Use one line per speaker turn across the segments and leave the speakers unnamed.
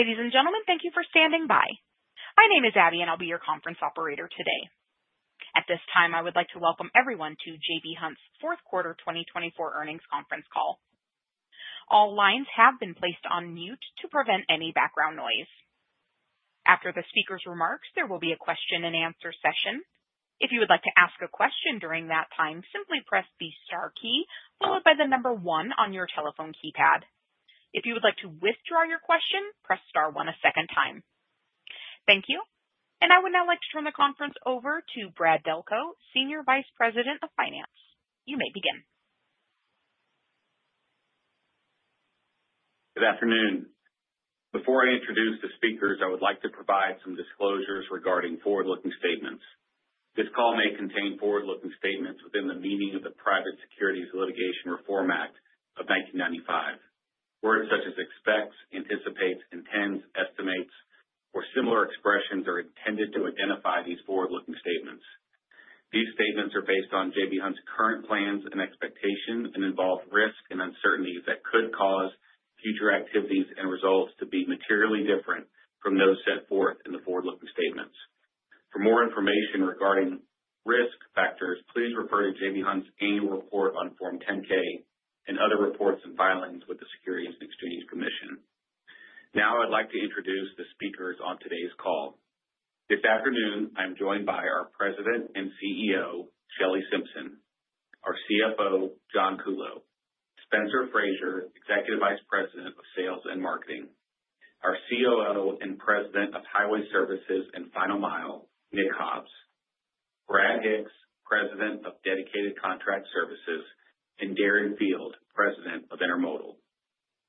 Ladies and gentlemen, thank you for standing by. My name is Abby, and I'll be your conference operator today. At this time, I would like to welcome everyone to J.B. Hunt's Fourth Quarter 2024 Earnings Conference Call. All lines have been placed on mute to prevent any background noise. After the speaker's remarks, there will be a question-and-answer session. If you would like to ask a question during that time, simply press the star key followed by the number one on your telephone keypad. If you would like to withdraw your question, press star one a second time. Thank you, and I would now like to turn the conference over to Brad Delco, Senior Vice President of Finance. You may begin.
Good afternoon. Before I introduce the speakers, I would like to provide some disclosures regarding forward-looking statements. This call may contain forward-looking statements within the meaning of the Private Securities Litigation Reform Act of 1995. Words such as expects, anticipates, intends, estimates, or similar expressions are intended to identify these forward-looking statements. These statements are based on J.B. Hunt's current plans and expectations and involve risks and uncertainties that could cause future activities and results to be materially different from those set forth in the forward-looking statements. For more information regarding risk factors, please refer to J.B. Hunt's annual report on Form 10-K and other reports and filings with the Securities and Exchange Commission. Now, I'd like to introduce the speakers on today's call. This afternoon, I'm joined by our President and CEO, Shelley Simpson, our CFO, John Kuhlow, Spencer Frazier, Executive Vice President of Sales and Marketing, our COO and President of Highway Services and Final Mile, Nick Hobbs, Brad Hicks, President of Dedicated Contract Services, and Darren Field, President of Intermodal.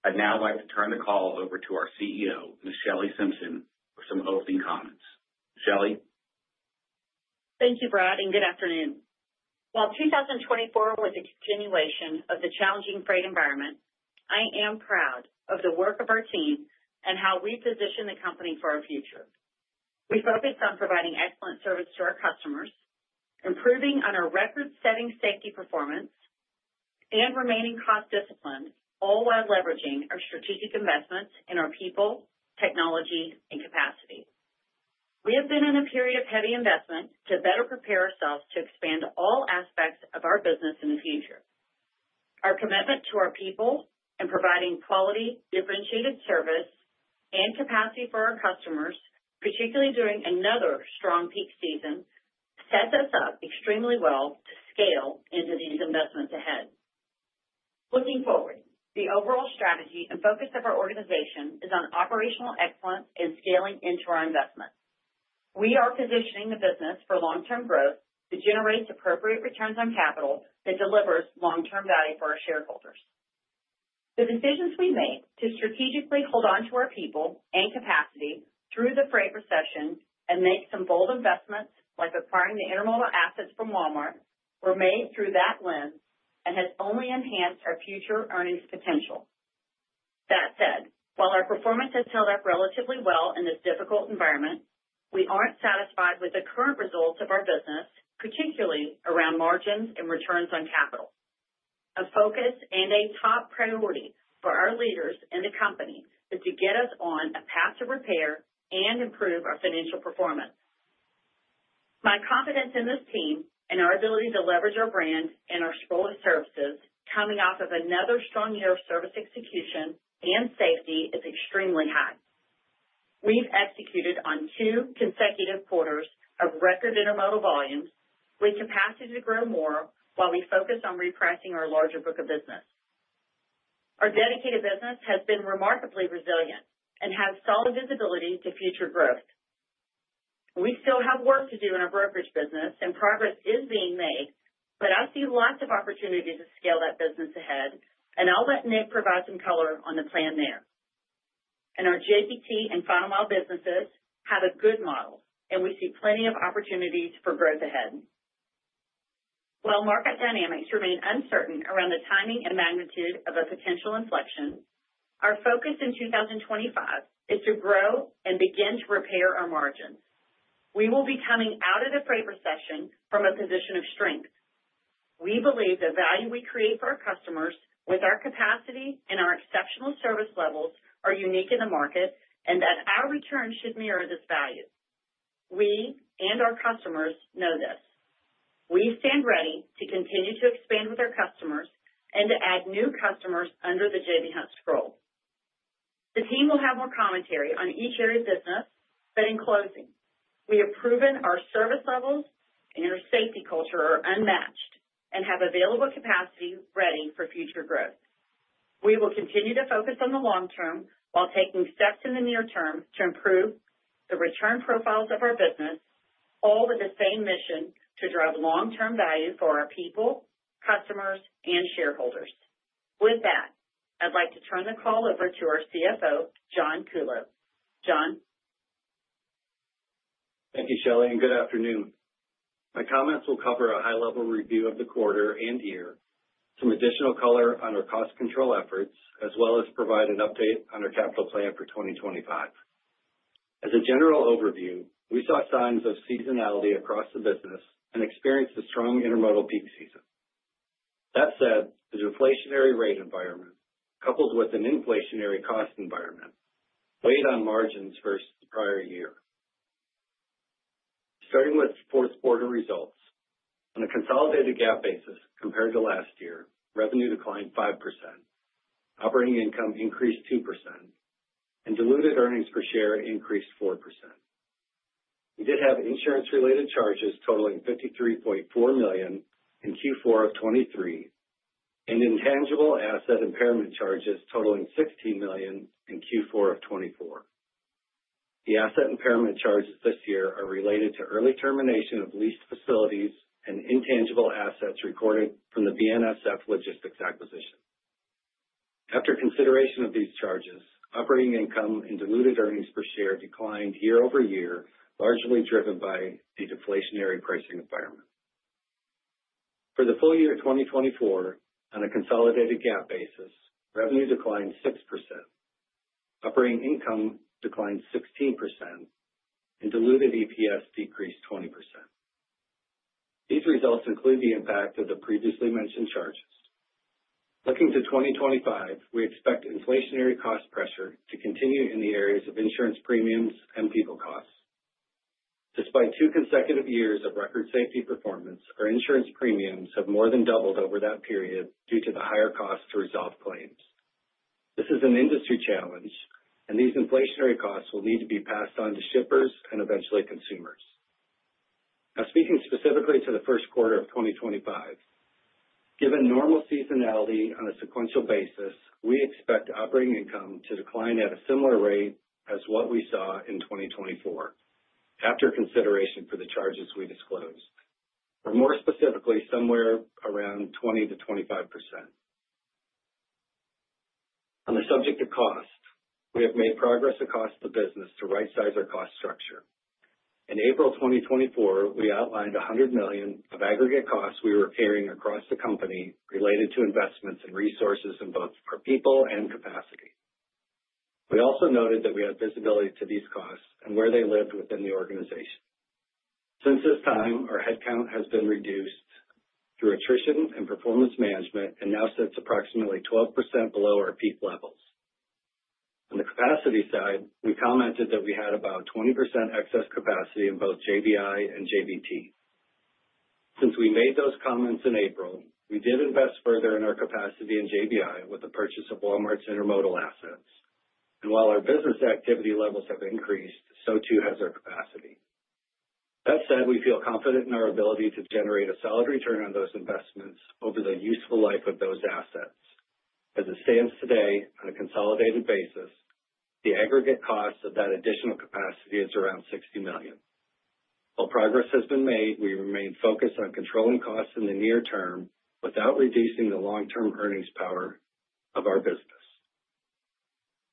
I'd now like to turn the call over to our CEO, Ms. Shelley Simpson, for some opening comments. Shelley.
Thank you, Brad, and good afternoon. While 2024 was a continuation of the challenging freight environment, I am proud of the work of our team and how we position the company for our future. We focus on providing excellent service to our customers, improving on our record-setting safety performance, and remaining cost-disciplined, all while leveraging our strategic investments in our people, technology, and capacity. We have been in a period of heavy investment to better prepare ourselves to expand all aspects of our business in the future. Our commitment to our people and providing quality, differentiated service, and capacity for our customers, particularly during another strong peak season, sets us up extremely well to scale into these investments ahead. Looking forward, the overall strategy and focus of our organization is on operational excellence and scaling into our investments. We are positioning the business for long-term growth that generates appropriate returns on capital that delivers long-term value for our shareholders. The decisions we make to strategically hold onto our people and capacity through the freight recession and make some bold investments, like acquiring the Intermodal assets from Walmart, were made through that lens and have only enhanced our future earnings potential. That said, while our performance has held up relatively well in this difficult environment, we aren't satisfied with the current results of our business, particularly around margins and returns on capital. A focus and a top priority for our leaders and the company is to get us on a path to repair and improve our financial performance. My confidence in this team and our ability to leverage our brand and our Scroll of services coming off of another strong year of service execution and safety is extremely high. We've executed on two consecutive quarters of record Intermodal volumes with capacity to grow more while we focus on repricing our larger book of business. Our Dedicated business has been remarkably resilient and has solid visibility to future growth. We still have work to do in our brokerage business, and progress is being made, but I see lots of opportunities to scale that business ahead, and I'll let Nick provide some color on the plan there, and our JBT and Final Mile businesses have a good model, and we see plenty of opportunities for growth ahead. While market dynamics remain uncertain around the timing and magnitude of a potential inflection, our focus in 2025 is to grow and begin to repair our margins. We will be coming out of the freight recession from a position of strength. We believe the value we create for our customers with our capacity and our exceptional service levels are unique in the market and that our return should mirror this value. We and our customers know this. We stand ready to continue to expand with our customers and to add new customers under the J.B. Hunt Scroll. The team will have more commentary on each area of business, but in closing, we have proven our service levels and our safety culture are unmatched and have available capacity ready for future growth. We will continue to focus on the long term while taking steps in the near term to improve the return profiles of our business, all with the same mission to drive long-term value for our people, customers, and shareholders. With that, I'd like to turn the call over to our CFO, John Kuhlow. John.
Thank you, Shelley, and good afternoon. My comments will cover a high-level review of the quarter and year, some additional color on our cost control efforts, as well as provide an update on our capital plan for 2025. As a general overview, we saw signs of seasonality across the business and experienced a strong Intermodal peak season. That said, the deflationary rate environment, coupled with an inflationary cost environment, weighed on margins versus the prior year. Starting with fourth quarter results, on a consolidated GAAP basis compared to last year, revenue declined 5%, operating income increased 2%, and diluted earnings per share increased 4%. We did have insurance-related charges totaling $53.4 million in Q4 of 2023 and intangible asset impairment charges totaling $16 million in Q4 of 2024. The asset impairment charges this year are related to early termination of leased facilities and intangible assets recorded from the BNSF Logistics acquisition. After consideration of these charges, operating income and diluted earnings per share declined year-over-year, largely driven by the deflationary pricing environment. For the full year 2024, on a consolidated GAAP basis, revenue declined 6%, operating income declined 16%, and diluted EPS decreased 20%. These results include the impact of the previously mentioned charges. Looking to 2025, we expect inflationary cost pressure to continue in the areas of insurance premiums and people costs. Despite two consecutive years of record safety performance, our insurance premiums have more than doubled over that period due to the higher cost to resolve claims. This is an industry challenge, and these inflationary costs will need to be passed on to shippers and eventually consumers. Now, speaking specifically to the first quarter of 2025, given normal seasonality on a sequential basis, we expect operating income to decline at a similar rate as what we saw in 2024 after consideration for the charges we disclosed, or more specifically, somewhere around 20%-25%. On the subject of cost, we have made progress across the business to right-size our cost structure. In April 2024, we outlined $100 million of aggregate costs we were carrying across the company related to investments and resources in both our people and capacity. We also noted that we had visibility to these costs and where they lived within the organization. Since this time, our headcount has been reduced through attrition and performance management and now sits approximately 12% below our peak levels. On the capacity side, we commented that we had about 20% excess capacity in both JBI and JBT. Since we made those comments in April, we did invest further in our capacity in JBI with the purchase of Walmart's Intermodal assets, and while our business activity levels have increased, so too has our capacity. That said, we feel confident in our ability to generate a solid return on those investments over the useful life of those assets. As it stands today, on a consolidated basis, the aggregate cost of that additional capacity is around $60 million. While progress has been made, we remain focused on controlling costs in the near term without reducing the long-term earnings power of our business.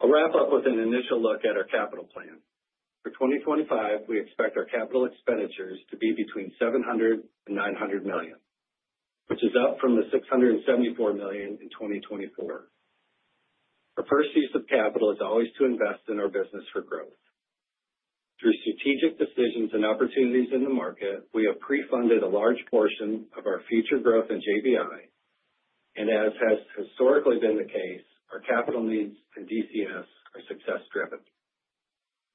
I'll wrap up with an initial look at our capital plan. For 2025, we expect our capital expenditures to be between $700 million and $900 million, which is up from the $674 million in 2024. Our first use of capital is always to invest in our business for growth. Through strategic decisions and opportunities in the market, we have prefunded a large portion of our future growth in JBI And as has historically been the case, our capital needs in DCS are success-driven.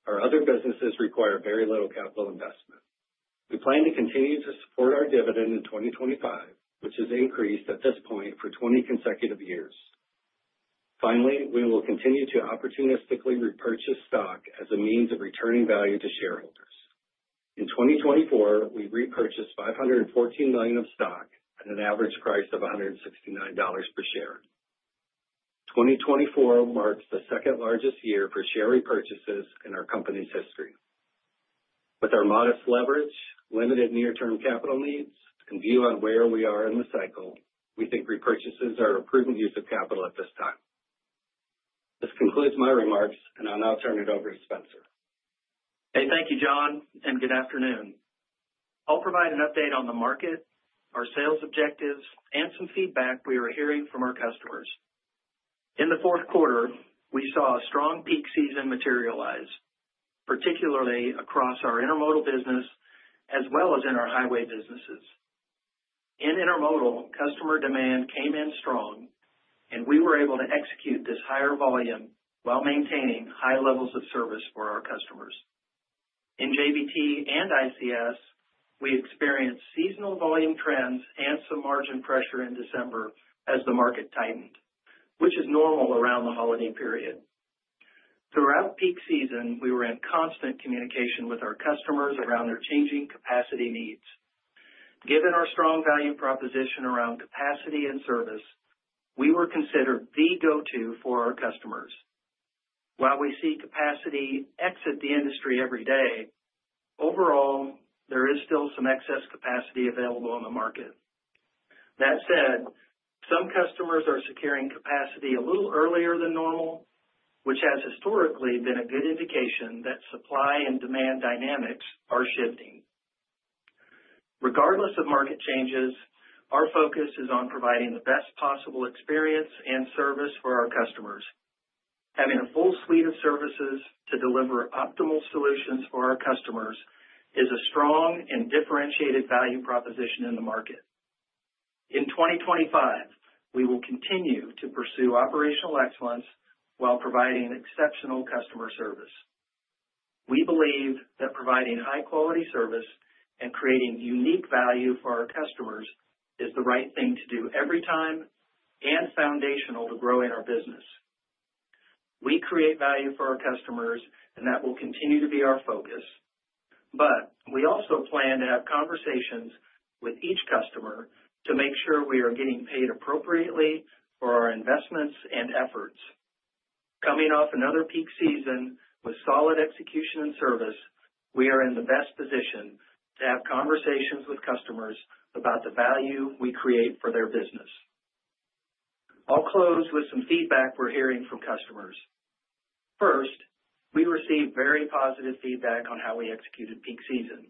Our other businesses require very little capital investment. We plan to continue to support our dividend in 2025, which has increased at this point for 20 consecutive years. Finally, we will continue to opportunistically repurchase stock as a means of returning value to shareholders. In 2024, we repurchased $514 million of stock at an average price of $169 per share. 2024 marks the second largest year for share repurchases in our company's history. With our modest leverage, limited near-term capital needs, and view on where we are in the cycle, we think repurchases are a prudent use of capital at this time. This concludes my remarks, and I'll now turn it over to Spencer.
Hey, thank you, John, and good afternoon. I'll provide an update on the market, our sales objectives, and some feedback we were hearing from our customers. In the fourth quarter, we saw a strong peak season materialize, particularly across our Intermodal business as well as in our highway businesses. In Intermodal, customer demand came in strong, and we were able to execute this higher volume while maintaining high levels of service for our customers. In JBT and ICS, we experienced seasonal volume trends and some margin pressure in December as the market tightened, which is normal around the holiday period. Throughout peak season, we were in constant communication with our customers around their changing capacity needs. Given our strong value proposition around capacity and service, we were considered the go-to for our customers. While we see capacity exit the industry every day, overall, there is still some excess capacity available on the market. That said, some customers are securing capacity a little earlier than normal, which has historically been a good indication that supply and demand dynamics are shifting. Regardless of market changes, our focus is on providing the best possible experience and service for our customers. Having a full suite of services to deliver optimal solutions for our customers is a strong and differentiated value proposition in the market. In 2025, we will continue to pursue operational excellence while providing exceptional customer service. We believe that providing high-quality service and creating unique value for our customers is the right thing to do every time and foundational to growing our business. We create value for our customers, and that will continue to be our focus. We also plan to have conversations with each customer to make sure we are getting paid appropriately for our investments and efforts. Coming off another peak season with solid execution and service, we are in the best position to have conversations with customers about the value we create for their business. I'll close with some feedback we're hearing from customers. First, we received very positive feedback on how we executed peak season,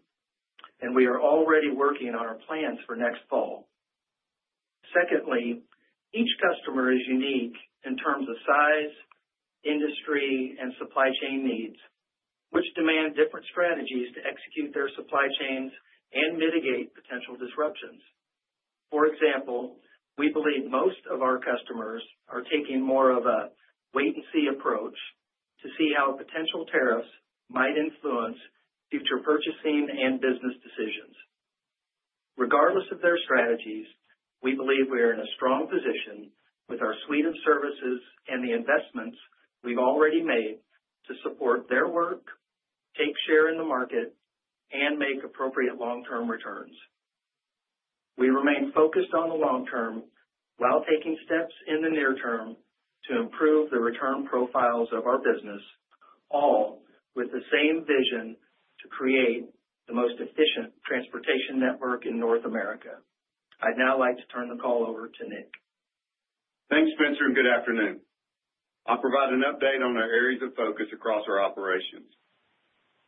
and we are already working on our plans for next fall. Secondly, each customer is unique in terms of size, industry, and supply chain needs, which demand different strategies to execute their supply chains and mitigate potential disruptions. For example, we believe most of our customers are taking more of a wait-and-see approach to see how potential tariffs might influence future purchasing and business decisions. Regardless of their strategies, we believe we are in a strong position with our suite of services and the investments we've already made to support their work, take share in the market, and make appropriate long-term returns. We remain focused on the long term while taking steps in the near term to improve the return profiles of our business, all with the same vision to create the most efficient transportation network in North America. I'd now like to turn the call over to Nick.
Thanks, Spencer, and good afternoon. I'll provide an update on our areas of focus across our operations.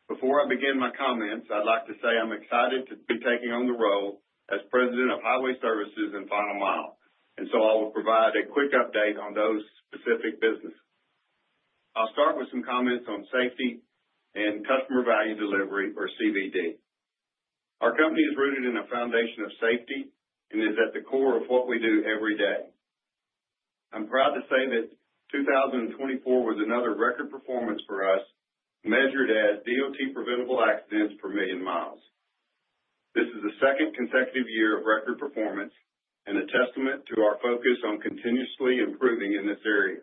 Before I begin my comments, I'd like to say I'm excited to be taking on the role as President of Highway Services and Final Mile, and so I will provide a quick update on those specific businesses. I'll start with some comments on safety and Customer Value Delivery, or CVD. Our company is rooted in a foundation of safety and is at the core of what we do every day. I'm proud to say that 2024 was another record performance for us, measured as DOT preventable accidents per million miles. This is the second consecutive year of record performance and a testament to our focus on continuously improving in this area.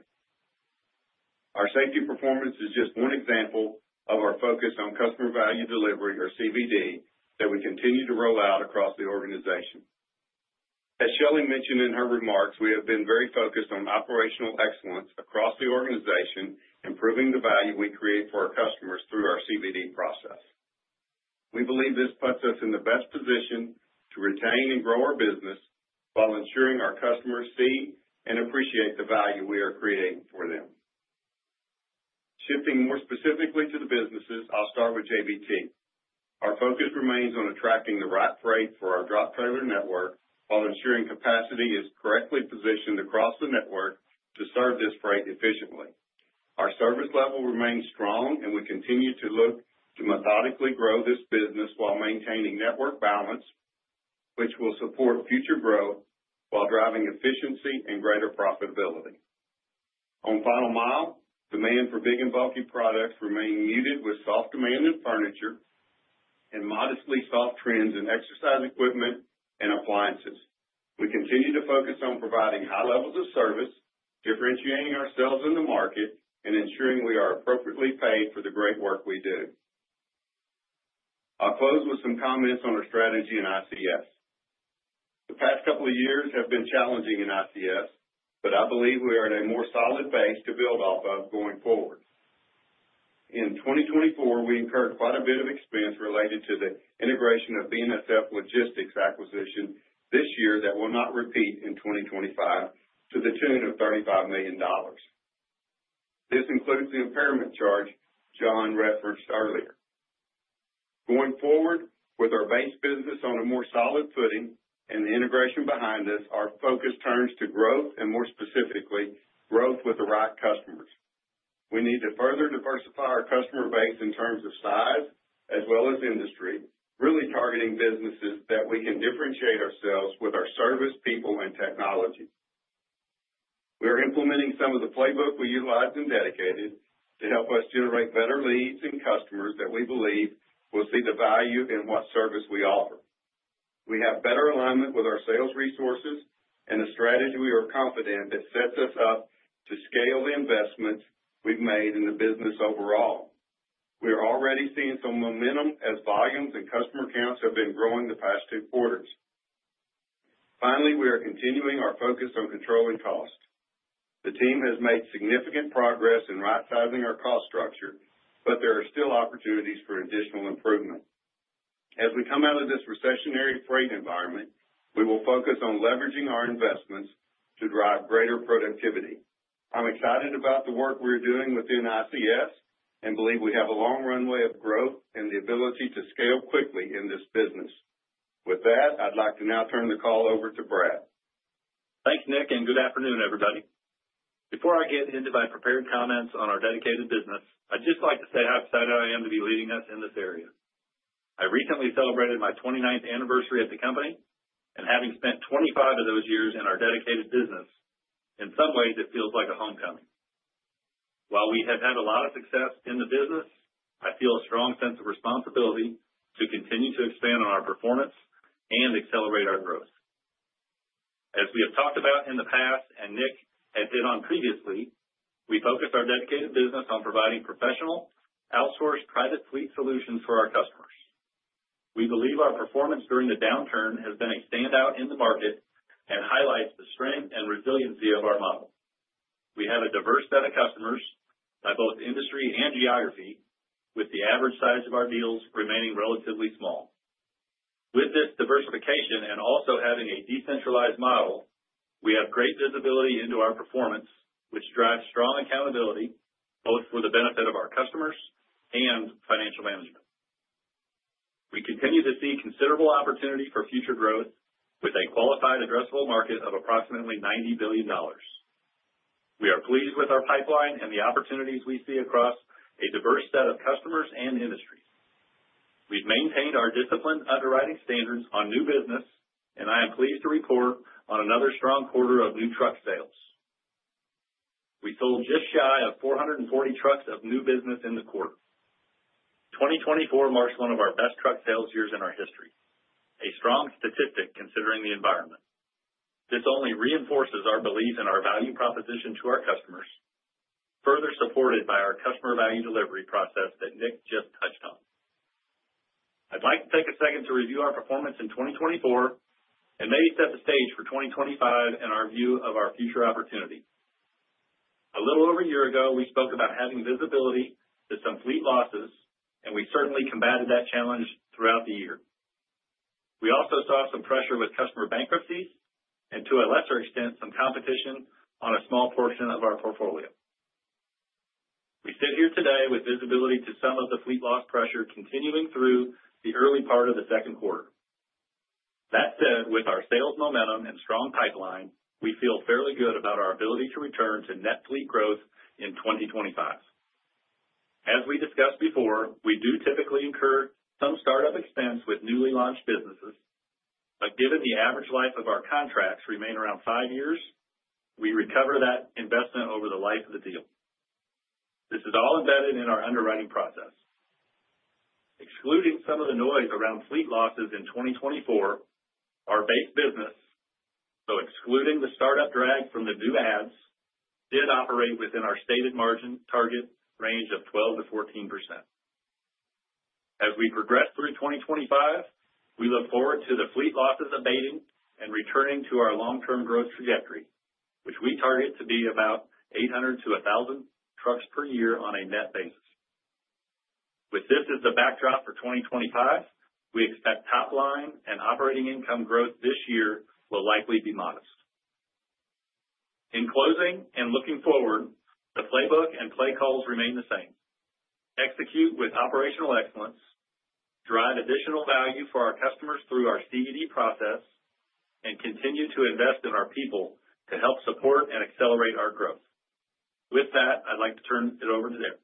Our safety performance is just one example of our focus on Customer Value Delivery, or CVD, that we continue to roll out across the organization. As Shelley mentioned in her remarks, we have been very focused on operational excellence across the organization, improving the value we create for our customers through our CVD process. We believe this puts us in the best position to retain and grow our business while ensuring our customers see and appreciate the value we are creating for them. Shifting more specifically to the businesses, I'll start with JBT. Our focus remains on attracting the right freight for our drop trailer network while ensuring capacity is correctly positioned across the network to serve this freight efficiently. Our service level remains strong, and we continue to look to methodically grow this business while maintaining network balance, which will support future growth while driving efficiency and greater profitability. On Final Mile, demand for big and bulky products remains muted with soft demand in furniture and modestly soft trends in exercise equipment and appliances. We continue to focus on providing high levels of service, differentiating ourselves in the market, and ensuring we are appropriately paid for the great work we do. I'll close with some comments on our strategy in ICS. The past couple of years have been challenging in ICS, but I believe we are at a more solid base to build off of going forward. In 2024, we incurred quite a bit of expense related to the integration of BNSF Logistics acquisition this year that will not repeat in 2025 to the tune of $35 million. This includes the impairment charge John referenced earlier. Going forward with our base business on a more solid footing and the integration behind us, our focus turns to growth and more specifically, growth with the right customers. We need to further diversify our customer base in terms of size as well as industry, really targeting businesses that we can differentiate ourselves with our service, people, and technology. We are implementing some of the playbook we utilized in Dedicated to help us generate better leads and customers that we believe will see the value in what service we offer. We have better alignment with our sales resources and a strategy we are confident that sets us up to scale the investments we've made in the business overall. We are already seeing some momentum as volumes and customer counts have been growing the past two quarters. Finally, we are continuing our focus on controlling cost. The team has made significant progress in right-sizing our cost structure, but there are still opportunities for additional improvement. As we come out of this recessionary freight environment, we will focus on leveraging our investments to drive greater productivity. I'm excited about the work we're doing within ICS and believe we have a long runway of growth and the ability to scale quickly in this business. With that, I'd like to now turn the call over to Brad.
Thanks, Nick, and good afternoon, everybody. Before I get into my prepared comments on our Dedicated business, I'd just like to say how excited I am to be leading us in this area. I recently celebrated my 29th anniversary at the company, and having spent 25 of those years in our Dedicated business, in some ways, it feels like a homecoming. While we have had a lot of success in the business, I feel a strong sense of responsibility to continue to expand on our performance and accelerate our growth. As we have talked about in the past, and Nick had hit on previously, we focus our Dedicated business on providing professional outsourced private fleet solutions for our customers. We believe our performance during the downturn has been a standout in the market and highlights the strength and resiliency of our model. We have a diverse set of customers by both industry and geography, with the average size of our deals remaining relatively small. With this diversification and also having a decentralized model, we have great visibility into our performance, which drives strong accountability both for the benefit of our customers and financial management. We continue to see considerable opportunity for future growth with a qualified addressable market of approximately $90 billion. We are pleased with our pipeline and the opportunities we see across a diverse set of customers and industries. We've maintained our disciplined underwriting standards on new business, and I am pleased to report on another strong quarter of new truck sales. We sold just shy of 440 trucks of new business in the quarter. 2024 marks one of our best truck sales years in our history, a strong statistic considering the environment. This only reinforces our belief in our value proposition to our customers, further supported by our Customer Value Delivery process that Nick just touched on. I'd like to take a second to review our performance in 2024 and maybe set the stage for 2025 and our view of our future opportunity. A little over a year ago, we spoke about having visibility to some fleet losses, and we certainly combated that challenge throughout the year. We also saw some pressure with customer bankruptcies and, to a lesser extent, some competition on a small portion of our portfolio. We sit here today with visibility to some of the fleet loss pressure continuing through the early part of the second quarter. That said, with our sales momentum and strong pipeline, we feel fairly good about our ability to return to net fleet growth in 2025. As we discussed before, we do typically incur some startup expense with newly launched businesses, but given the average life of our contracts remains around five years, we recover that investment over the life of the deal. This is all embedded in our underwriting process. Excluding some of the noise around fleet losses in 2024, our base business, so excluding the startup drag from the new adds, did operate within our stated margin target range of 12%-14%. As we progress through 2025, we look forward to the fleet losses abating and returning to our long-term growth trajectory, which we target to be about 800-1,000 trucks per year on a net basis. With this as the backdrop for 2025, we expect top-line and operating income growth this year will likely be modest. In closing and looking forward, the playbook and play calls remain the same. Execute with operational excellence, drive additional value for our customers through our CVD process, and continue to invest in our people to help support and accelerate our growth. With that, I'd like to turn it over to Darren.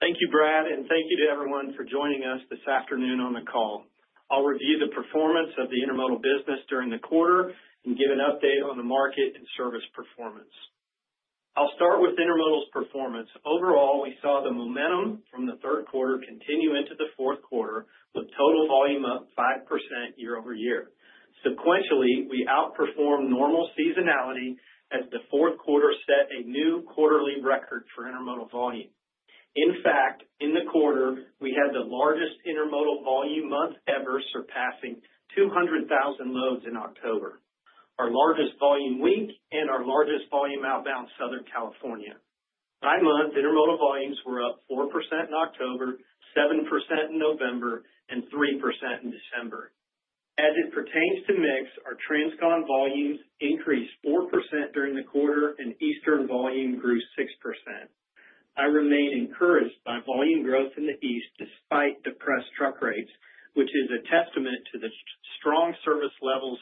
Thank you, Brad, and thank you to everyone for joining us this afternoon on the call. I'll review the performance of the Intermodal business during the quarter and give an update on the market and service performance. I'll start with Intermodal's performance. Overall, we saw the momentum from the third quarter continue into the fourth quarter with total volume up 5% year-over-year. Sequentially, we outperformed normal seasonality as the fourth quarter set a new quarterly record for Intermodal volume. In fact, in the quarter, we had the largest Intermodal volume month ever, surpassing 200,000 loads in October, our largest volume week, and our largest volume outbound, Southern California. By month, Intermodal volumes were up 4% in October, 7% in November, and 3% in December. As it pertains to mix, our Transcon volumes increased 4% during the quarter, and Eastern volume grew 6%. I remain encouraged by volume growth in the East despite depressed truck rates, which is a testament to the strong service levels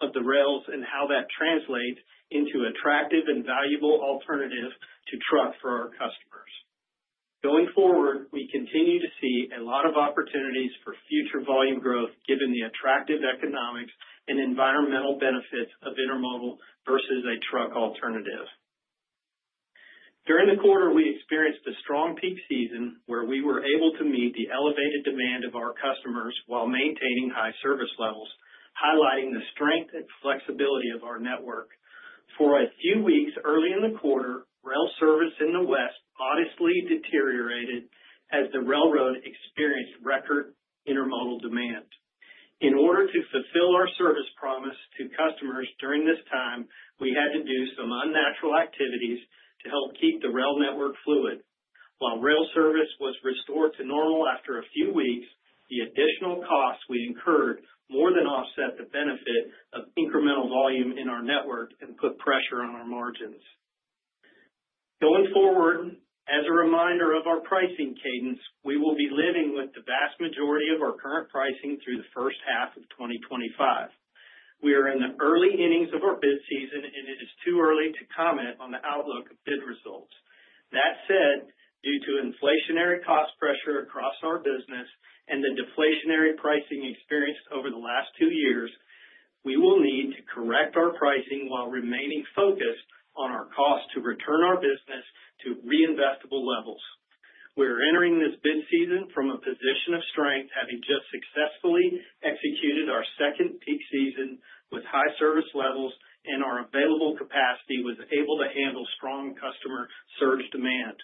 of the rails and how that translates into an attractive and valuable alternative to truck for our customers. Going forward, we continue to see a lot of opportunities for future volume growth given the attractive economics and environmental benefits of Intermodal versus a truck alternative. During the quarter, we experienced a strong peak season where we were able to meet the elevated demand of our customers while maintaining high service levels, highlighting the strength and flexibility of our network. For a few weeks early in the quarter, rail service in the West modestly deteriorated as the railroad experienced record Intermodal demand. In order to fulfill our service promise to customers during this time, we had to do some unnatural activities to help keep the rail network fluid. While rail service was restored to normal after a few weeks, the additional costs we incurred more than offset the benefit of incremental volume in our network and put pressure on our margins. Going forward, as a reminder of our pricing cadence, we will be living with the vast majority of our current pricing through the first half of 2025. We are in the early innings of our bid season, and it is too early to comment on the outlook of bid results. That said, due to inflationary cost pressure across our business and the deflationary pricing experienced over the last two years, we will need to correct our pricing while remaining focused on our cost to return our business to reinvestable levels. We are entering this bid season from a position of strength, having just successfully executed our second peak season with high service levels and our available capacity was able to handle strong customer surge demand.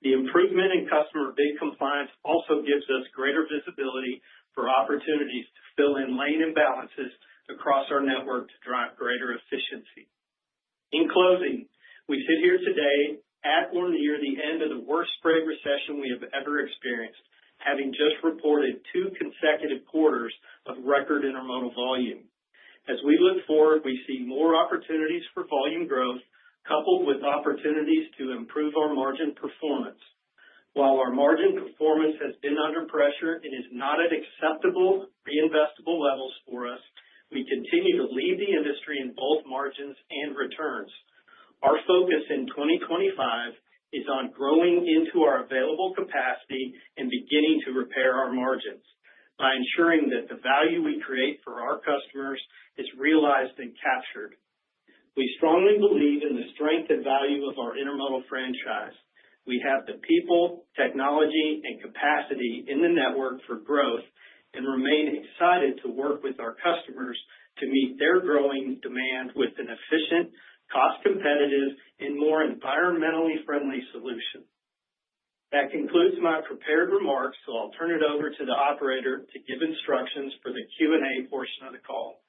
The improvement in customer bid compliance also gives us greater visibility for opportunities to fill in lane imbalances across our network to drive greater efficiency. In closing, we sit here today at or near the end of the worst freight recession we have ever experienced, having just reported two consecutive quarters of record Intermodal volume. As we look forward, we see more opportunities for volume growth coupled with opportunities to improve our margin performance. While our margin performance has been under pressure and is not at acceptable reinvestable levels for us, we continue to lead the industry in both margins and returns. Our focus in 2025 is on growing into our available capacity and beginning to repair our margins by ensuring that the value we create for our customers is realized and captured. We strongly believe in the strength and value of our Intermodal franchise. We have the people, technology, and capacity in the network for growth and remain excited to work with our customers to meet their growing demand with an efficient, cost-competitive, and more environmentally friendly solution. That concludes my prepared remarks, so I'll turn it over to the operator to give instructions for the Q&A portion of the call.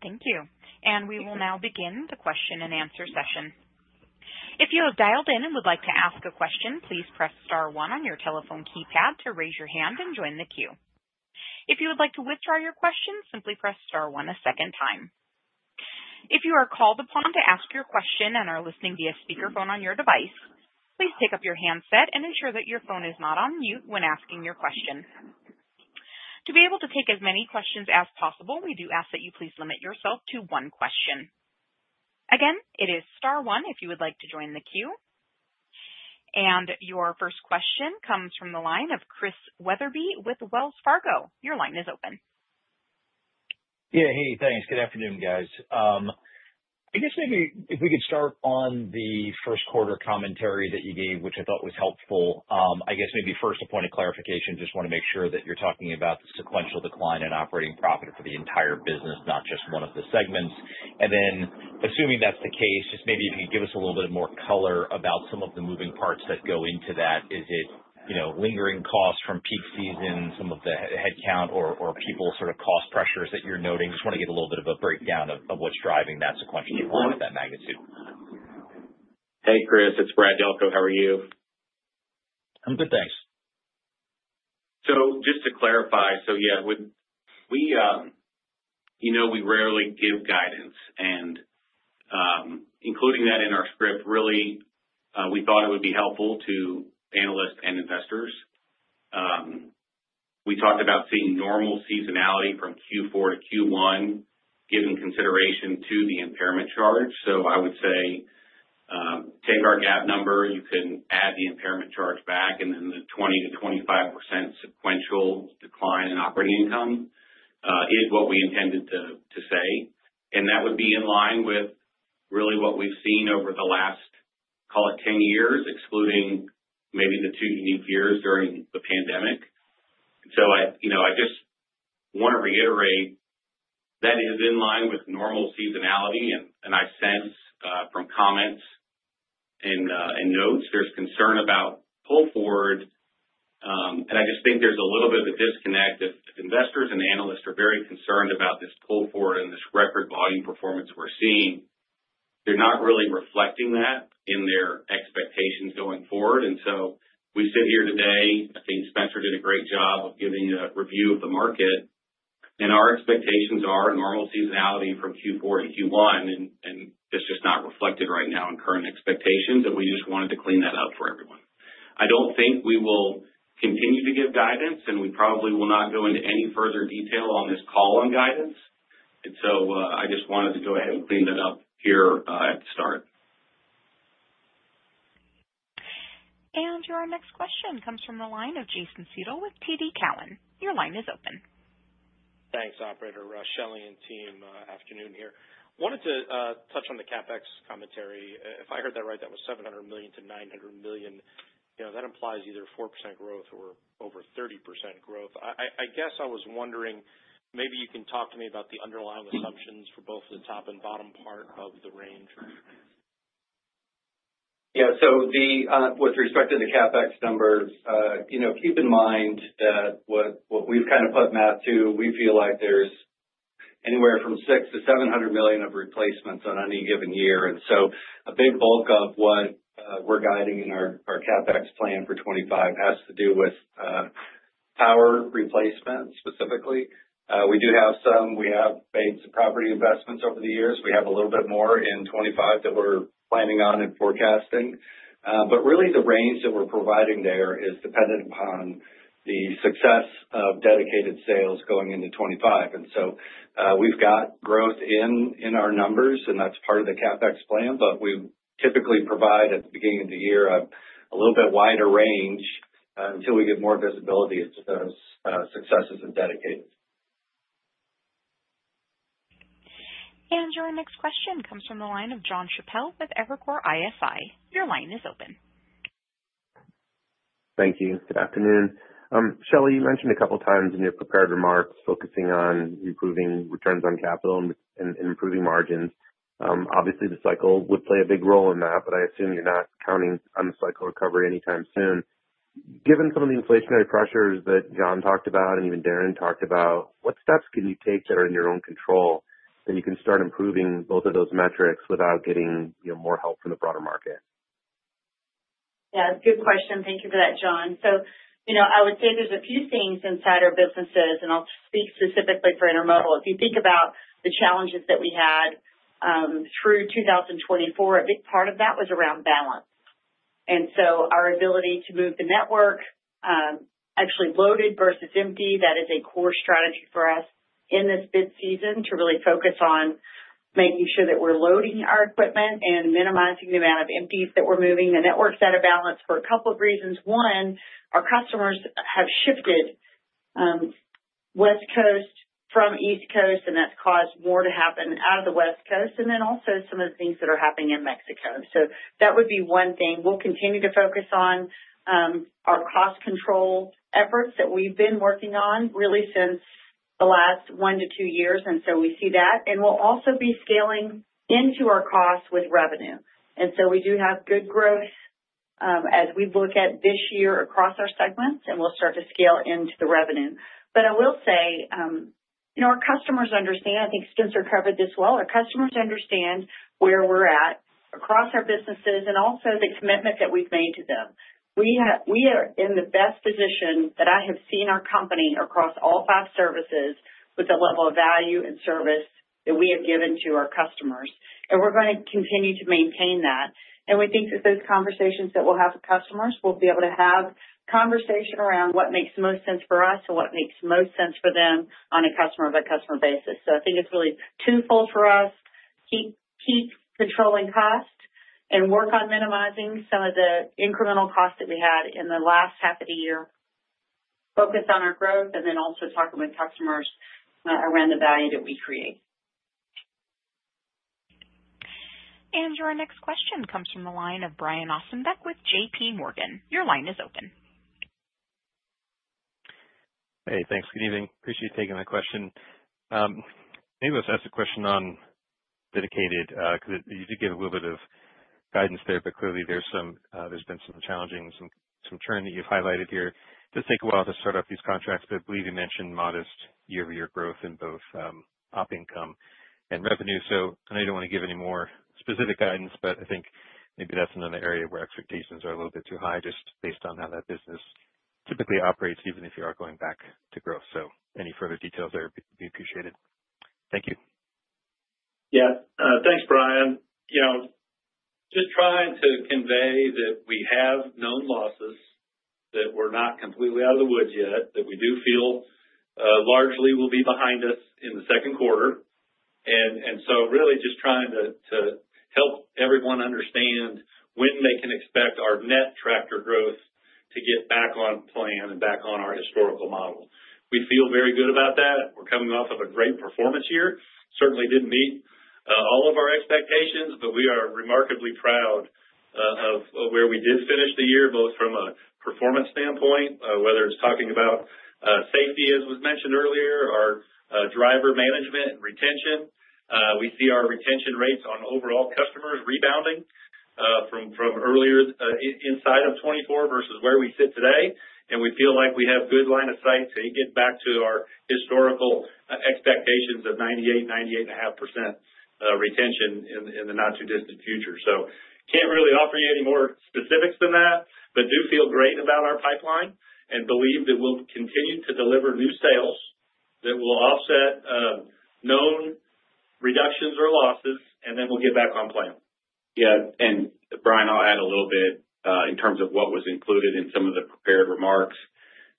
Thank you, and we will now begin the question and answer session. If you have dialed in and would like to ask a question, please press star one on your telephone keypad to raise your hand and join the queue. If you would like to withdraw your question, simply press star one a second time. If you are called upon to ask your question and are listening via speakerphone on your device, please take up your handset and ensure that your phone is not on mute when asking your question. To be able to take as many questions as possible, we do ask that you please limit yourself to one question. Again, it is star one if you would like to join the queue, and your first question comes from the line of Chris Wetherbee with Wells Fargo. Your line is open.
Yeah. Hey, thanks. Good afternoon, guys. I guess maybe if we could start on the first quarter commentary that you gave, which I thought was helpful. I guess maybe first a point of clarification, just want to make sure that you're talking about the sequential decline in operating profit for the entire business, not just one of the segments. And then assuming that's the case, just maybe if you could give us a little bit more color about some of the moving parts that go into that. Is it lingering costs from peak season, some of the headcount, or people sort of cost pressures that you're noting? Just want to get a little bit of a breakdown of what's driving that sequential decline with that magnitude.
Hey, Chris. It's Brad Delco. How are you?
I'm good, thanks.
So just to clarify, so yeah, we rarely give guidance. And including that in our script, really, we thought it would be helpful to analysts and investors. We talked about seeing normal seasonality from Q4 to Q1 given consideration to the impairment charge. So I would say take our GAAP number, you can add the impairment charge back, and then the 20%-25% sequential decline in operating income is what we intended to say. And that would be in line with really what we've seen over the last, call it, 10 years, excluding maybe the two unique years during the pandemic. So I just want to reiterate that is in line with normal seasonality. And I sense from comments and notes there's concern about pull forward. And I just think there's a little bit of a disconnect. If investors and analysts are very concerned about this pull forward and this record volume performance we're seeing, they're not really reflecting that in their expectations going forward. And so we sit here today. I think Spencer did a great job of giving a review of the market. And our expectations are normal seasonality from Q4 to Q1, and it's just not reflected right now in current expectations, and we just wanted to clean that up for everyone. I don't think we will continue to give guidance, and we probably will not go into any further detail on this call on guidance. And so I just wanted to go ahead and clean that up here at the start.
And your next question comes from the line of Jason Seidl with TD Cowen. Your line is open.
Thanks, Operator. Shelley and team, afternoon here. Wanted to touch on the CapEx commentary. If I heard that right, that was $700 million-$900 million. That implies either 4% growth or over 30% growth. I guess I was wondering, maybe you can talk to me about the underlying assumptions for both the top and bottom part of the range.
Yeah. So with respect to the CapEx numbers, keep in mind that what we've kind of put math to, we feel like there's anywhere from $6 million-$700 million of replacements on any given year. And so a big bulk of what we're guiding in our CapEx plan for 2025 has to do with power replacement specifically. We do have some. We have made some property investments over the years. We have a little bit more in 2025 that we're planning on and forecasting. But really, the range that we're providing there is dependent upon the success of Dedicated sales going into 2025. And so we've got growth in our numbers, and that's part of the CapEx plan, but we typically provide at the beginning of the year a little bit wider range until we get more visibility into those successes of Dedicated.
And your next question comes from the line of John Chappell with Evercore ISI. Your line is open.
Thank you. Good afternoon. Shelley, you mentioned a couple of times in your prepared remarks focusing on improving returns on capital and improving margins. Obviously, the cycle would play a big role in that, but I assume you're not counting on the cycle recovery anytime soon. Given some of the inflationary pressures that John talked about and even Darren talked about, what steps can you take that are in your own control so you can start improving both of those metrics without getting more help from the broader market?
Yeah. Good question. Thank you for that, John. So I would say there's a few things inside our businesses, and I'll speak specifically for Intermodal. If you think about the challenges that we had through 2024, a big part of that was around balance, and so our ability to move the network, actually loaded versus empty, that is a core strategy for us in this bid season to really focus on making sure that we're loading our equipment and minimizing the amount of empties that we're moving. The network's out of balance for a couple of reasons. One, our customers have shifted West Coast from East Coast, and that's caused more to happen out of the West Coast, and then also some of the things that are happening in Mexico. So that would be one thing. We'll continue to focus on our cost control efforts that we've been working on really since the last one to two years, and so we see that, and we'll also be scaling into our costs with revenue. And so we do have good growth as we look at this year across our segments, and we'll start to scale into the revenue. But I will say our customers understand. I think Spencer covered this well. Our customers understand where we're at across our businesses and also the commitment that we've made to them. We are in the best position that I have seen our company across all five services with the level of value and service that we have given to our customers, and we're going to continue to maintain that. We think that those conversations that we'll have with customers, we'll be able to have conversation around what makes most sense for us and what makes most sense for them on a customer-by-customer basis. So I think it's really twofold for us. Keep controlling cost and work on minimizing some of the incremental costs that we had in the last half of the year. Focus on our growth and then also talking with customers around the value that we create.
And your next question comes from the line of Brian Ossenbeck with J.P. Morgan. Your line is open.
Hey, thanks. Good evening. Appreciate you taking my question. Maybe let's ask a question on Dedicated because you did give a little bit of guidance there, but clearly there's been some challenging, some churn that you've highlighted here. It does take a while to start off these contracts, but I believe you mentioned modest year-over-year growth in both op income and revenue. So I know you don't want to give any more specific guidance, but I think maybe that's another area where expectations are a little bit too high just based on how that business typically operates, even if you are going back to growth. So any further details there would be appreciated. Thank you.
Yeah. Thanks, Brian. Just trying to convey that we have known losses, that we're not completely out of the woods yet, that we do feel largely will be behind us in the second quarter. And so really just trying to help everyone understand when they can expect our net tractor growth to get back on plan and back on our historical model. We feel very good about that. We're coming off of a great performance year. Certainly didn't meet all of our expectations, but we are remarkably proud of where we did finish the year, both from a performance standpoint, whether it's talking about safety, as was mentioned earlier, our driver management and retention. We see our retention rates on overall customers rebounding from earlier inside of 2024 versus where we sit today. And we feel like we have good line of sight to get back to our historical expectations of 98%-98.5% retention in the not-too-distant future. So can't really offer you any more specifics than that, but do feel great about our pipeline and believe that we'll continue to deliver new sales that will offset known reductions or losses, and then we'll get back on plan.
Yeah. And Brian, I'll add a little bit in terms of what was included in some of the prepared remarks.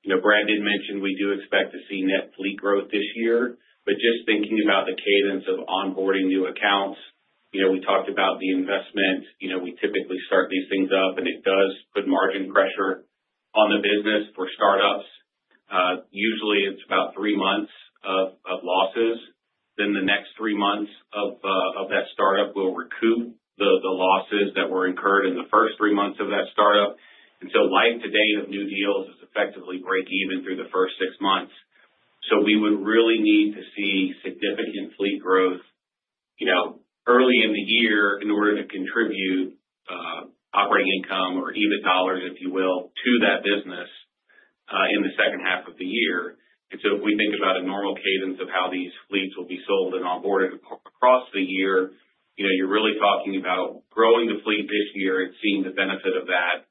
Brad did mention we do expect to see net fleet growth this year, but just thinking about the cadence of onboarding new accounts, we talked about the investment. We typically start these things up, and it does put margin pressure on the business for startups. Usually, it's about three months of losses. Then the next three months of that startup will recoup the losses that were incurred in the first three months of that startup. And so life to date of new deals is effectively break even through the first six months. So we would really need to see significant fleet growth early in the year in order to contribute operating income or EBIT dollars, if you will, to that business in the second half of the year. And so if we think about a normal cadence of how these fleets will be sold and onboarded across the year, you're really talking about growing the fleet this year and seeing the benefit of that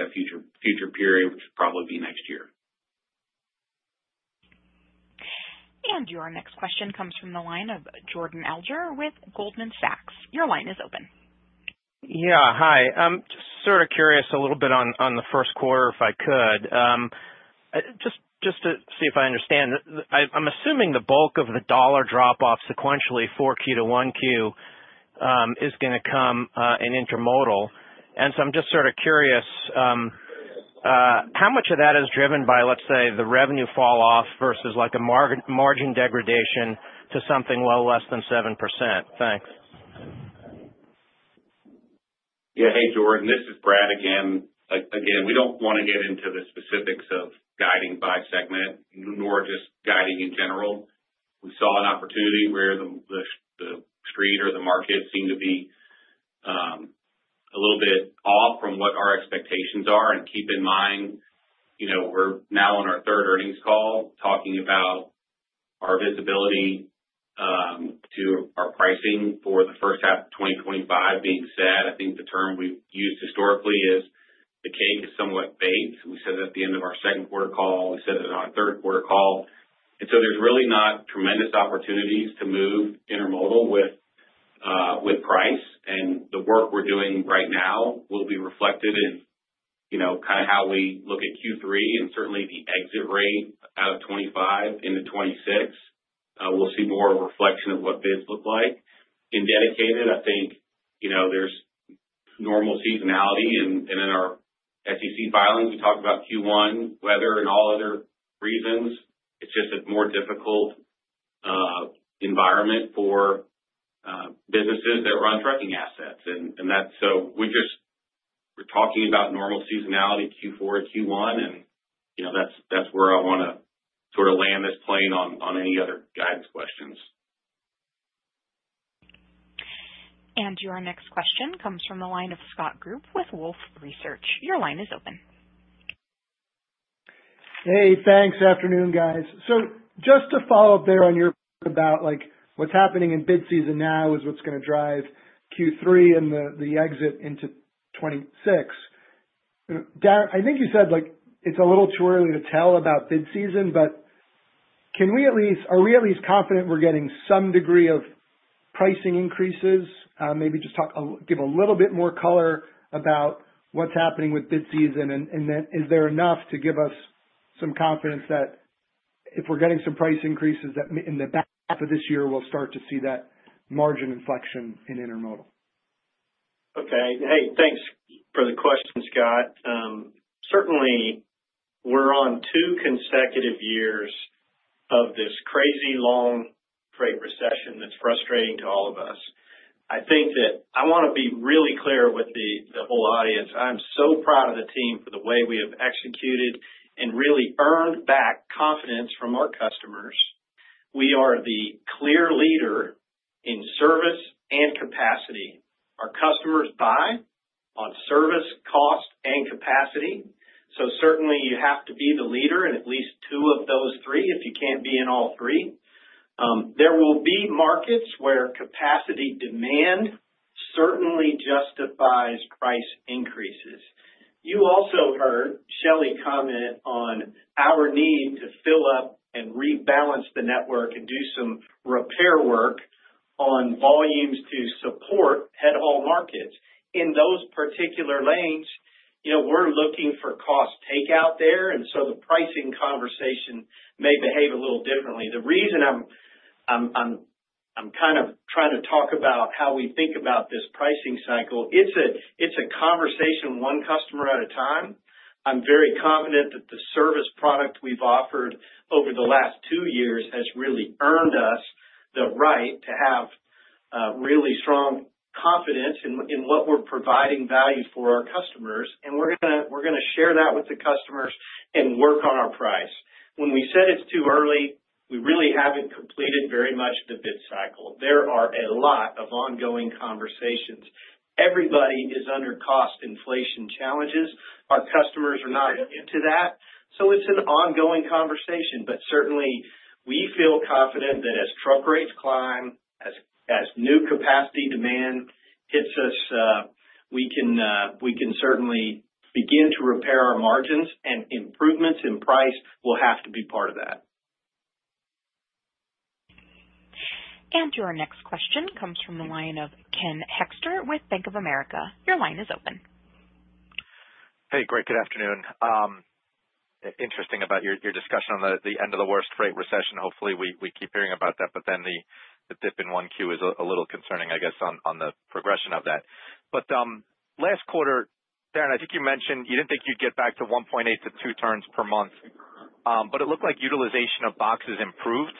in a future period, which would probably be next year.
Your next question comes from the line of Jordan Alliger with Goldman Sachs. Your line is open.
Yeah. Hi. I'm just sort of curious a little bit on the first quarter if I could. Just to see if I understand, I'm assuming the bulk of the dollar drop-off sequentially for Q2 to 1Q is going to come in Intermodal. And so I'm just sort of curious how much of that is driven by, let's say, the revenue fall-off versus a margin degradation to something well less than 7%. Thanks.
Yeah. Hey, Jordan. This is Brad again. Again, we don't want to get into the specifics of guiding by segment nor just guiding in general. We saw an opportunity where the street or the market seemed to be a little bit off from what our expectations are. And keep in mind, we're now on our third earnings call talking about our visibility to our pricing for the first half of 2025 being set. I think the term we've used historically is the cake is somewhat baked. We said it at the end of our second quarter call. We said it in our third quarter call. And so there's really not tremendous opportunities to move Intermodal with price. And the work we're doing right now will be reflected in kind of how we look at Q3 and certainly the exit rate out of 2025 into 2026. We'll see more of a reflection of what bids look like. In Dedicated, I think there's normal seasonality. And in our SEC filings, we talked about Q1, weather, and all other reasons. It's just a more difficult environment for businesses that run trucking assets. And so we're talking about normal seasonality Q4 to Q1, and that's where I want to sort of land this plane on any other guidance questions.
And your next question comes from the line of Scott Group with Wolfe Research. Your line is open.
Hey, thanks. Afternoon, guys, so just to follow up there on your about what's happening in bid season now is what's going to drive Q3 and the exit into 2026. I think you said it's a little too early to tell about bid season, but are we at least confident we're getting some degree of pricing increases? Maybe just give a little bit more color about what's happening with bid season, and then is there enough to give us some confidence that if we're getting some price increases that in the back of this year, we'll start to see that margin inflection in Intermodal?
Okay. Hey, thanks for the question, Scott. Certainly, we're on two consecutive years of this crazy long-haul trade recession that's frustrating to all of us. I think that I want to be really clear with the whole audience. I'm so proud of the team for the way we have executed and really earned back confidence from our customers. We are the clear leader in service and capacity. Our customers buy on service, cost, and capacity. So certainly, you have to be the leader in at least two of those three if you can't be in all three. There will be markets where capacity demand certainly justifies price increases. You also heard Shelley comment on our need to fill up and rebalance the network and do some repair work on volumes to support head-haul markets. In those particular lanes, we're looking for cost takeout there, and so the pricing conversation may behave a little differently. The reason I'm kind of trying to talk about how we think about this pricing cycle, it's a conversation one customer at a time. I'm very confident that the service product we've offered over the last two years has really earned us the right to have really strong confidence in what we're providing value for our customers, and we're going to share that with the customers and work on our price. When we said it's too early, we really haven't completed very much of the bid cycle. There are a lot of ongoing conversations. Everybody is under cost inflation challenges. Our customers are not into that. So it's an ongoing conversation, but certainly, we feel confident that as truck rates climb, as new capacity demand hits us, we can certainly begin to repair our margins, and improvements in price will have to be part of that.
And your next question comes from the line of Ken Hoexter with Bank of America. Your line is open.
Hey, great. Good afternoon. Interesting about your discussion on the end of the worst freight recession. Hopefully, we keep hearing about that, but then the dip in 1Q is a little concerning, I guess, on the progression of that. But last quarter, Darren, I think you mentioned you didn't think you'd get back to 1.8 to 2 turns per month, but it looked like utilization of boxes improved,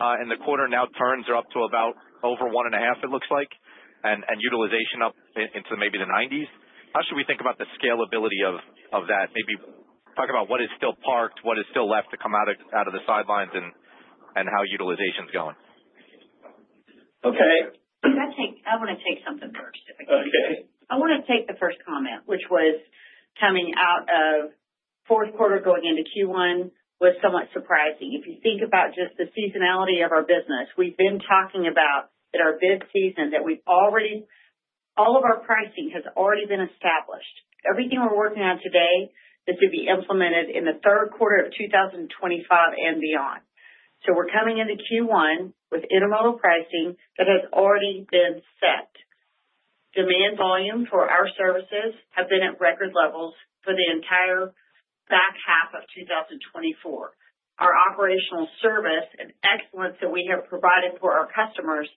and the quarter now turns are up to about over 1.5, it looks like, and utilization up into maybe the 90s. How should we think about the scalability of that? Maybe talk about what is still parked, what is still left to come out of the sidelines, and how utilization's going.
Okay.
I want to take something first. I want to take the first comment, which was coming out of fourth quarter going into Q1, was somewhat surprising. If you think about just the seasonality of our business, we've been talking about in our bid season that all of our pricing has already been established. Everything we're working on today is to be implemented in the third quarter of 2025 and beyond. So we're coming into Q1 with Intermodal pricing that has already been set. Demand volume for our services has been at record levels for the entire back half of 2024. Our operational service and excellence that we have provided for our customers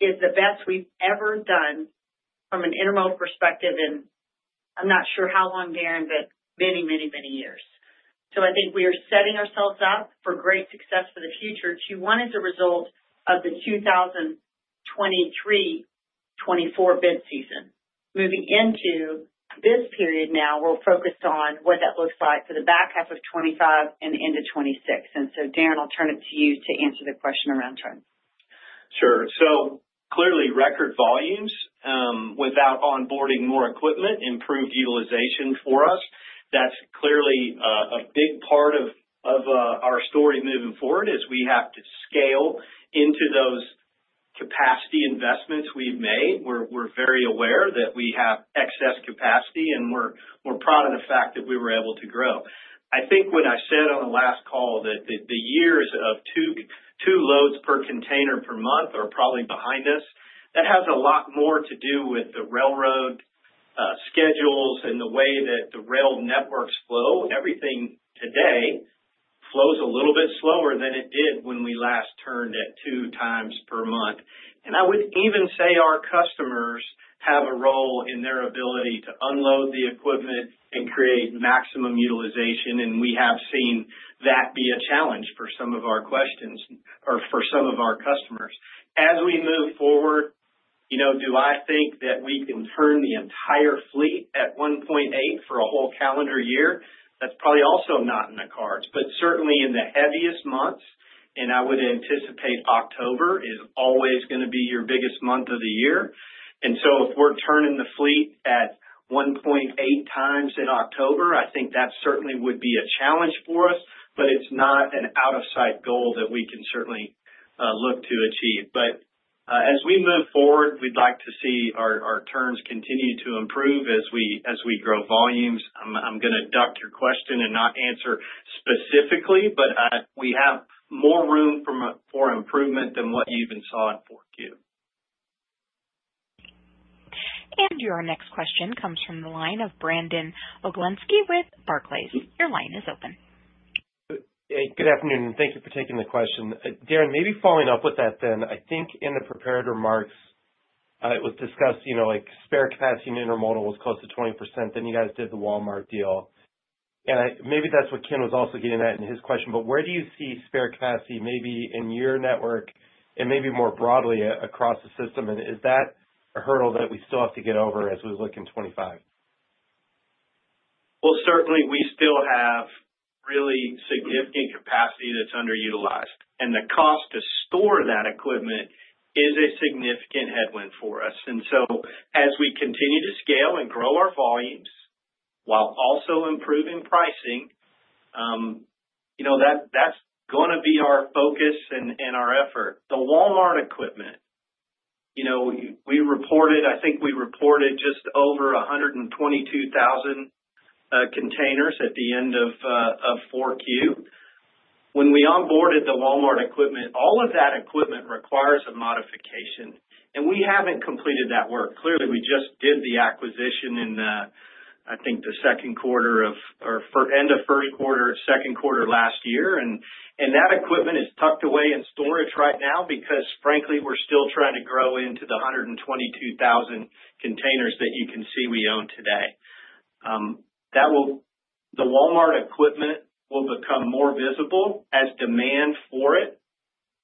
is the best we've ever done from an Intermodal perspective, and I'm not sure how long, Darren, but many, many, many years. So I think we are setting ourselves up for great success for the future. Q1 is a result of the 2023-2024 bid season. Moving into this period now, we're focused on what that looks like for the back half of 2025 and into 2026. And so, Darren, I'll turn it to you to answer the question around trends.
Sure. So clearly, record volumes without onboarding more equipment improved utilization for us. That's clearly a big part of our story moving forward is we have to scale into those capacity investments we've made. We're very aware that we have excess capacity, and we're proud of the fact that we were able to grow. I think when I said on the last call that the years of two loads per container per month are probably behind us, that has a lot more to do with the railroad schedules and the way that the rail networks flow. Everything today flows a little bit slower than it did when we last turned at two times per month. And I would even say our customers have a role in their ability to unload the equipment and create maximum utilization, and we have seen that be a challenge for some of our questions or for some of our customers. As we move forward, do I think that we can turn the entire fleet at 1.8 for a whole calendar year? That's probably also not in the cards, but certainly in the heaviest months, and I would anticipate October is always going to be your biggest month of the year. And so if we're turning the fleet at 1.8 times in October, I think that certainly would be a challenge for us, but it's not an out-of-sight goal that we can certainly look to achieve. But as we move forward, we'd like to see our turns continue to improve as we grow volumes. I'm going to duck your question and not answer specifically, but we have more room for improvement than what you even saw in 4Q.
And your next question comes from the line of Brandon Oglenski with Barclays. Your line is open.
Hey, good afternoon, and thank you for taking the question. Darren, maybe following up with that then, I think in the prepared remarks, it was discussed spare capacity in Intermodal was close to 20%. Then you guys did the Walmart deal. And maybe that's what Ken was also getting at in his question, but where do you see spare capacity maybe in your network and maybe more broadly across the system? And is that a hurdle that we still have to get over as we look in 2025?
Certainly, we still have really significant capacity that's underutilized, and the cost to store that equipment is a significant headwind for us. So as we continue to scale and grow our volumes while also improving pricing, that's going to be our focus and our effort. The Walmart equipment, I think we reported just over 122,000 containers at the end of 4Q. When we onboarded the Walmart equipment, all of that equipment requires a modification, and we haven't completed that work. Clearly, we just did the acquisition in, I think, the second quarter or end of first quarter, second quarter last year. That equipment is tucked away in storage right now because, frankly, we're still trying to grow into the 122,000 containers that you can see we own today. The Walmart equipment will become more visible as demand for it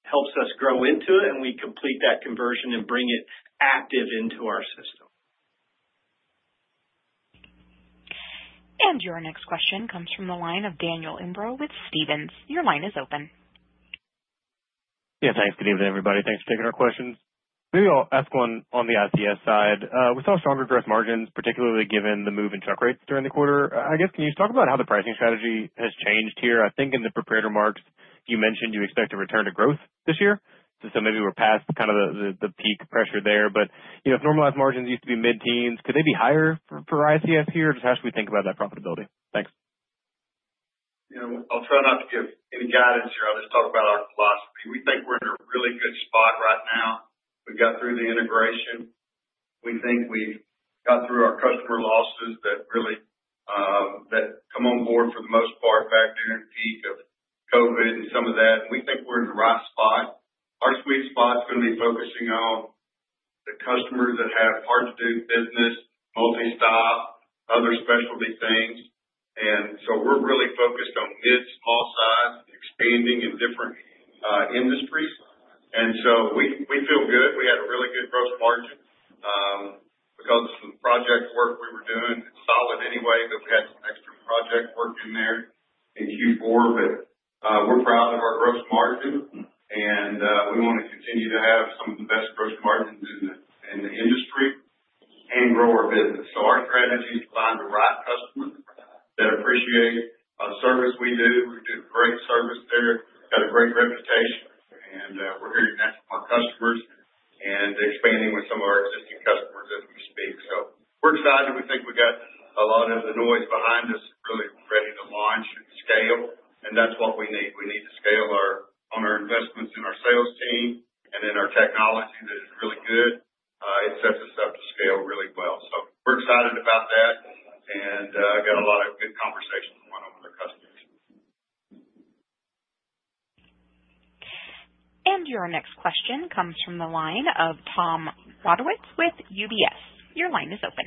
helps us grow into it, and we complete that conversion and bring it active into our system.
And your next question comes from the line of Daniel Imbro with Stephens. Your line is open.
Yeah. Thanks. Good evening, everybody. Thanks for taking our questions. Maybe I'll ask one on the ICS side. We saw stronger gross margins, particularly given the move in truck rates during the quarter. I guess, can you talk about how the pricing strategy has changed here? I think in the prepared remarks, you mentioned you expect a return to growth this year. So maybe we're past kind of the peak pressure there. But if normalized margins used to be mid-teens, could they be higher for ICS here, or just how should we think about that profitability? Thanks.
Yeah. I'll try not to give any guidance here. I'll just talk about our philosophy. We think we're in a really good spot right now. We've got through the integration. We think we've got through our customer losses that come on board for the most part back during the peak of COVID and some of that. And we think we're in the right spot. Our sweet spot's going to be focusing on the customers that have hard-to-do business, multi-stop, other specialty things. And so we're really focused on mid-small size expanding in different industries. And so we feel good. We had a really good gross margin because of some project work we were doing. It's solid anyway, but we had some extra project work in there in Q4. But we're proud of our gross margin, and we want to continue to have some of the best gross margins in the industry and grow our business. So our strategy is to find the right customers that appreciate our service. We do. We do great service there. We've got a great reputation, and we're hearing that from our customers and expanding with some of our existing customers as we speak. So we're excited. We think we've got a lot of the noise behind us and really ready to launch and scale, and that's what we need. We need to scale on our investments in our sales team and in our technology that is really good. It sets us up to scale really well. So we're excited about that, and I've got a lot of good conversations going on with our customers.
Your next question comes from the line of Tom Wadewitz with UBS. Your line is open.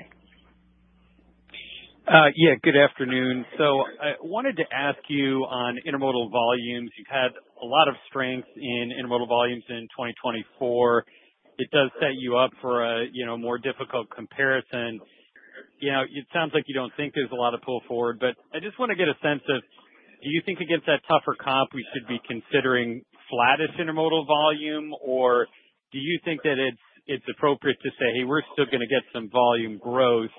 Yeah. Good afternoon. I wanted to ask you on Intermodal volumes. You've had a lot of strength in Intermodal volumes in 2024. It does set you up for a more difficult comparison. It sounds like you don't think there's a lot of pull forward, but I just want to get a sense of, do you think against that tougher comp, we should be considering flattish Intermodal volume, or do you think that it's appropriate to say, "Hey, we're still going to get some volume growth"?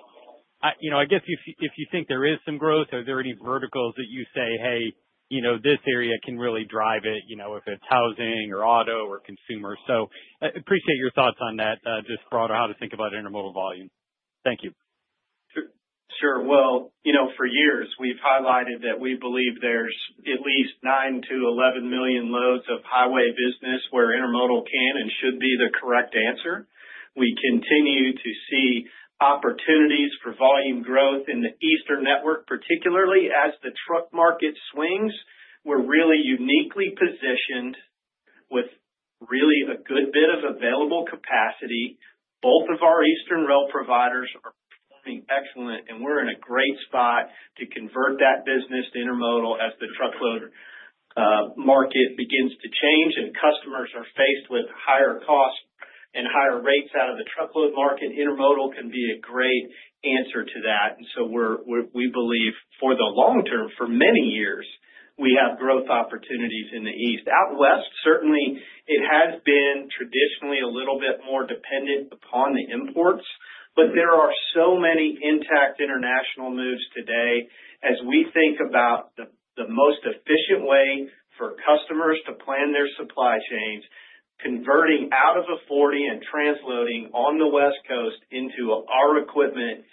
I guess if you think there is some growth, are there any verticals that you say, "Hey, this area can really drive it if it's housing or auto or consumer"? I appreciate your thoughts on that, just broader how to think about Intermodal volume. Thank you.
Sure. Well, for years, we've highlighted that we believe there's at least nine to 11 million loads of Highway business where Intermodal can and should be the correct answer. We continue to see opportunities for volume growth in the eastern network, particularly as the truck market swings. We're really uniquely positioned with really a good bit of available capacity. Both of our eastern rail providers are performing excellent, and we're in a great spot to convert that business to Intermodal as the Truckload market begins to change and customers are faced with higher costs and higher rates out of the Truckload market. Intermodal can be a great answer to that. And so we believe for the long term, for many years, we have growth opportunities in the East. Out West, certainly, it has been traditionally a little bit more dependent upon the imports, but there are so many intact international moves today. As we think about the most efficient way for customers to plan their supply chains, converting out of a 40 and transloading on the West Coast into our equipment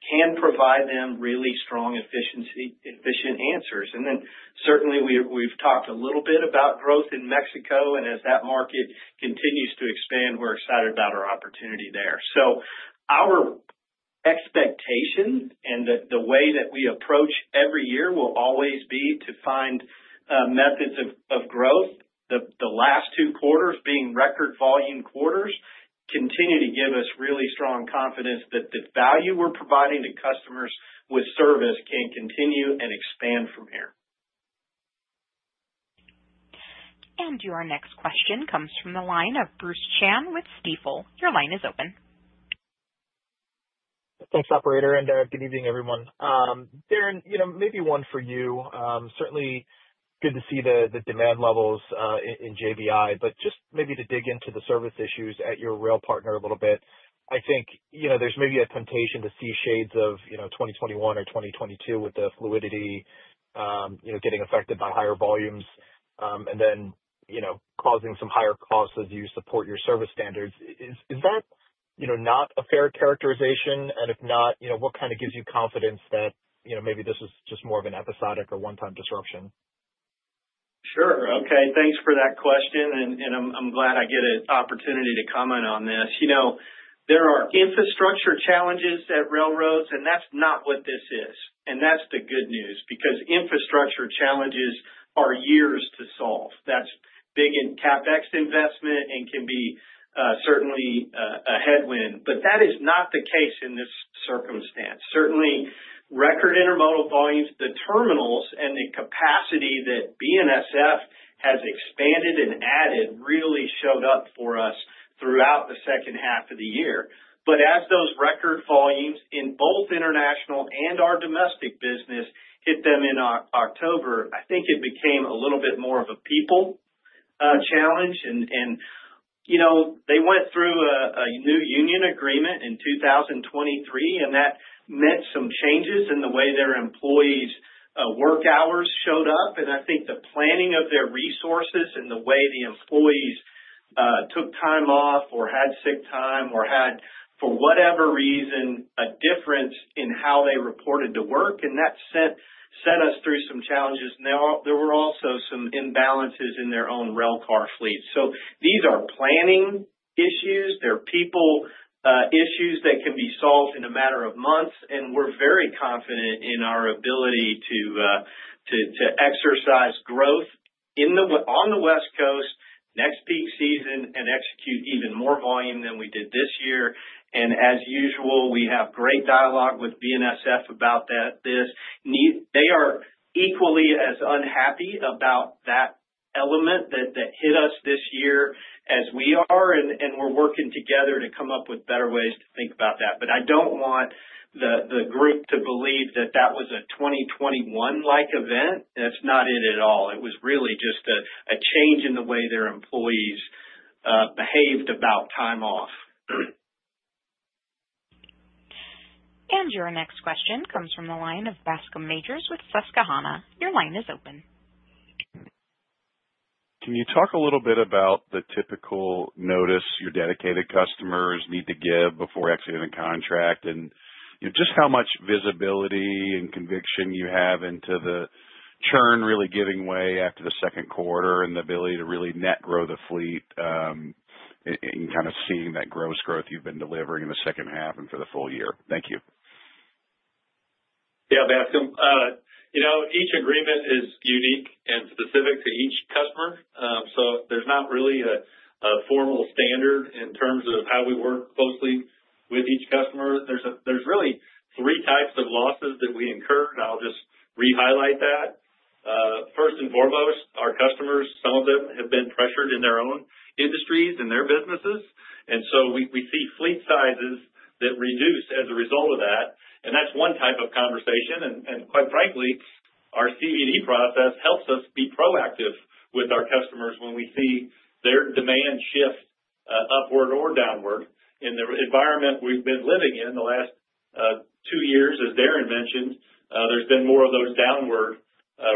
can provide them really strong efficient answers. And then certainly, we've talked a little bit about growth in Mexico, and as that market continues to expand, we're excited about our opportunity there. So our expectation and the way that we approach every year will always be to find methods of growth. The last two quarters being record volume quarters continue to give us really strong confidence that the value we're providing to customers with service can continue and expand from here.
And your next question comes from the line of Bruce Chan with Stifel. Your line is open.
Thanks, operator. And good evening, everyone. Darren, maybe one for you. Certainly good to see the demand levels in JBI, but just maybe to dig into the service issues at your rail partner a little bit. I think there's maybe a temptation to see shades of 2021 or 2022 with the fluidity getting affected by higher volumes and then causing some higher costs as you support your service standards. Is that not a fair characterization? And if not, what kind of gives you confidence that maybe this was just more of an episodic or one-time disruption?
Sure. Okay. Thanks for that question, and I'm glad I get an opportunity to comment on this. There are infrastructure challenges at railroads, and that's not what this is, and that's the good news because infrastructure challenges are years to solve. That's big in CapEx investment and can be certainly a headwind, but that is not the case in this circumstance. Certainly, record Intermodal volumes, the terminals, and the capacity that BNSF has expanded and added really showed up for us throughout the second half of the year, but as those record volumes in both international and our domestic business hit them in October, I think it became a little bit more of a people challenge, and they went through a new union agreement in 2023, and that meant some changes in the way their employees' work hours showed up. I think the planning of their resources and the way the employees took time off or had sick time or had, for whatever reason, a difference in how they reported to work, and that sent us through some challenges. There were also some imbalances in their own railcar fleet. These are planning issues. They're people issues that can be solved in a matter of months, and we're very confident in our ability to exercise growth on the West Coast next peak season and execute even more volume than we did this year. As usual, we have great dialogue with BNSF about this. They are equally as unhappy about that element that hit us this year as we are, and we're working together to come up with better ways to think about that. I don't want the group to believe that that was a 2021-like event. That's not it at all. It was really just a change in the way their employees behaved about time off.
And your next question comes from the line of Bascome Majors with Susquehanna. Your line is open.
Can you talk a little bit about the typical notice your Dedicated customers need to give before exiting the contract and just how much visibility and conviction you have into the churn really giving way after the second quarter and the ability to really net grow the fleet and kind of seeing that gross growth you've been delivering in the second half and for the full year? Thank you.
Yeah, Bascome. Each agreement is unique and specific to each customer. So there's not really a formal standard in terms of how we work closely with each customer. There's really three types of losses that we incurred. I'll just re-highlight that. First and foremost, our customers, some of them have been pressured in their own industries and their businesses, and so we see fleet sizes that reduce as a result of that, and that's one type of conversation, and quite frankly, our CVD process helps us be proactive with our customers when we see their demand shift upward or downward. In the environment we've been living in the last two years, as Darren mentioned, there's been more of those downward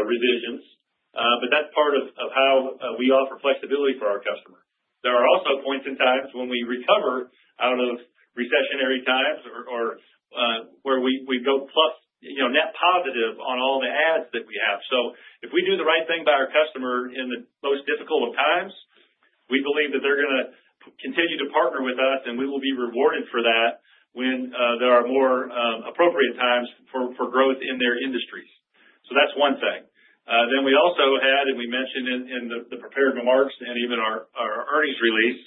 revisions, but that's part of how we offer flexibility for our customer. There are also points in time when we recover out of recessionary times or where we go plus net positive on all the adds that we have. So if we do the right thing by our customer in the most difficult of times, we believe that they're going to continue to partner with us, and we will be rewarded for that when there are more appropriate times for growth in their industries. So that's one thing. Then we also had, and we mentioned in the prepared remarks and even our earnings release,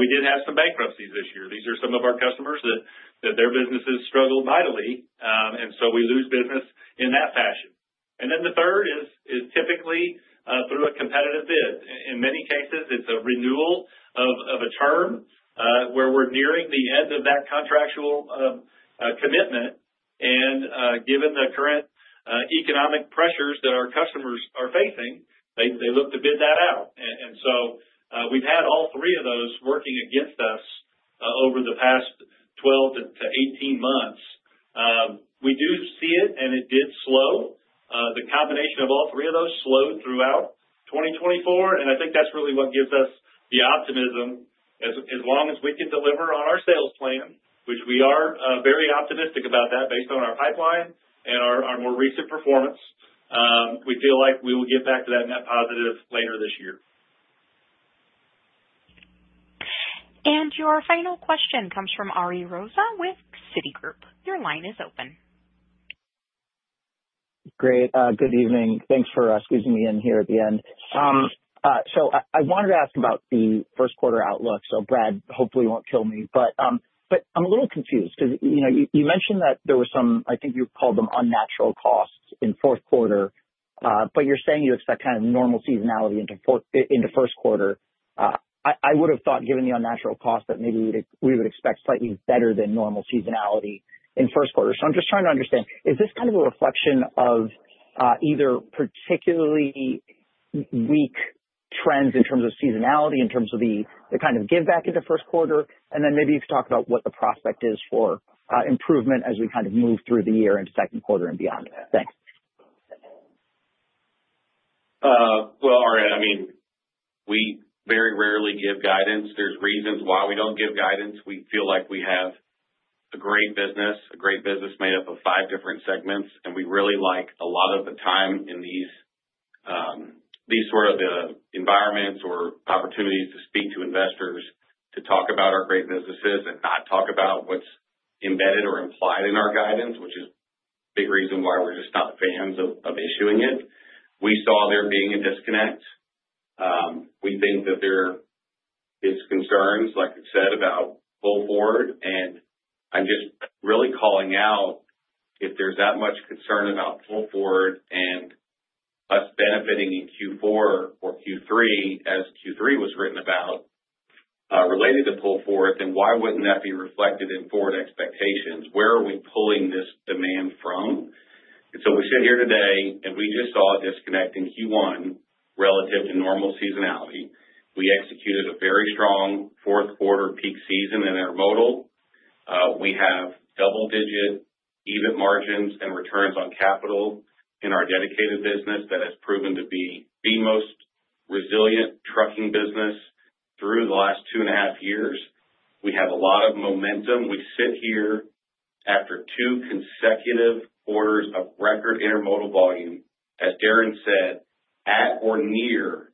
we did have some bankruptcies this year. These are some of our customers that their businesses struggled mightily, and so we lose business in that fashion. And then the third is typically through a competitive bid. In many cases, it's a renewal of a term where we're nearing the end of that contractual commitment. And given the current economic pressures that our customers are facing, they look to bid that out. And so we've had all three of those working against us over the past 12-18 months. We do see it, and it did slow. The combination of all three of those slowed throughout 2024, and I think that's really what gives us the optimism. As long as we can deliver on our sales plan, which we are very optimistic about that based on our pipeline and our more recent performance, we feel like we will get back to that net positive later this year.
And your final question comes from Ari Rosa with Citigroup. Your line is open. Great. Good evening. Thanks for squeezing me in here at the end. So I wanted to ask about the first quarter outlook. So Brad, hopefully, won't kill me, but I'm a little confused because you mentioned that there were some, I think you called them unnatural costs in fourth quarter, but you're saying you expect kind of normal seasonality into first quarter. I would have thought, given the unnatural costs, that maybe we would expect slightly better than normal seasonality in first quarter. So I'm just trying to understand, is this kind of a reflection of either particularly weak trends in terms of seasonality, in terms of the kind of give back into first quarter? And then maybe you could talk about what the prospect is for improvement as we kind of move through the year into second quarter and beyond. Thanks.
Ari, I mean, we very rarely give guidance. There's reasons why we don't give guidance. We feel like we have a great business, a great business made up of five different segments, and we really like a lot of the time in these sort of environments or opportunities to speak to investors to talk about our great businesses and not talk about what's embedded or implied in our guidance, which is a big reason why we're just not fans of issuing it. We saw there being a disconnect. We think that there are concerns, like you said, about pull forward, and I'm just really calling out if there's that much concern about pull forward and us benefiting in Q4 or Q3, as Q3 was written about related to pull forward, then why wouldn't that be reflected in forward expectations? Where are we pulling this demand from? And so we sit here today, and we just saw a disconnect in Q1 relative to normal seasonality. We executed a very strong fourth quarter peak season in Intermodal. We have double-digit EBIT margins and returns on capital in our Dedicated business that has proven to be the most resilient trucking business through the last two and a half years. We have a lot of momentum. We sit here after two consecutive orders of record Intermodal volume, as Darren said, at or near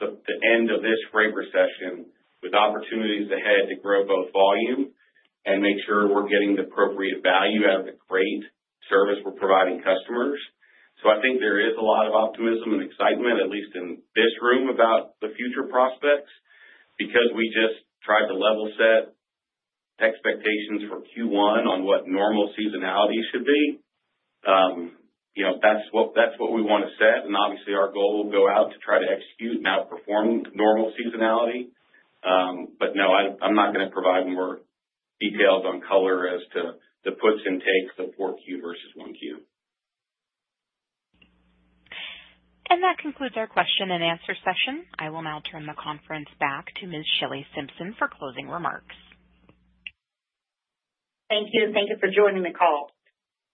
the end of this great recession with opportunities ahead to grow both volume and make sure we're getting the appropriate value out of the great service we're providing customers. So I think there is a lot of optimism and excitement, at least in this room, about the future prospects because we just tried to level set expectations for Q1 on what normal seasonality should be. That's what we want to set. And obviously, our goal will go out to try to execute and outperform normal seasonality. But no, I'm not going to provide more details on color as to the puts and takes of 4Q versus 1Q.
And that concludes our question and answer session. I will now turn the conference back to Ms. Shelley Simpson for closing remarks.
Thank you. Thank you for joining the call.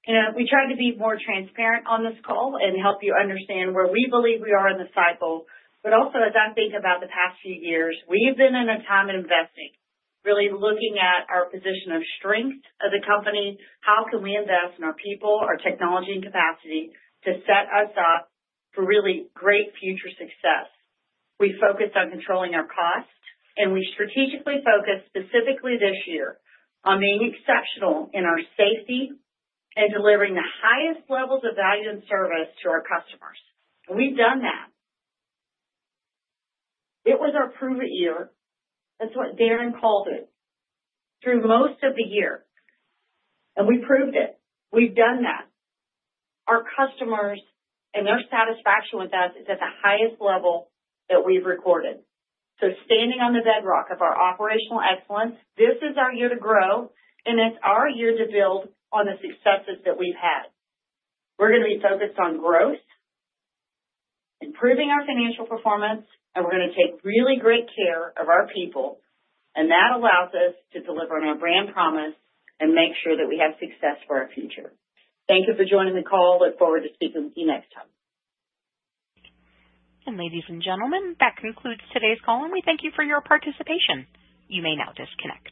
We try to be more transparent on this call and help you understand where we believe we are in the cycle, but also, as I think about the past few years, we have been in a time of investing, really looking at our position of strength as a company. How can we invest in our people, our technology, and capacity to set us up for really great future success? We focused on controlling our cost, and we strategically focused specifically this year on being exceptional in our safety and delivering the highest levels of value and service to our customers. We've done that. It was our proven year. That's what Darren called it through most of the year, and we proved it. We've done that. Our customers and their satisfaction with us is at the highest level that we've recorded. So standing on the bedrock of our operational excellence, this is our year to grow, and it's our year to build on the successes that we've had. We're going to be focused on growth, improving our financial performance, and we're going to take really great care of our people, and that allows us to deliver on our brand promise and make sure that we have success for our future. Thank you for joining the call. Look forward to speaking with you next time.
Ladies and gentlemen, that concludes today's call, and we thank you for your participation. You may now disconnect.